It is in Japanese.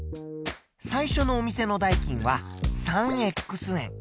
最初のお店の代金は３円。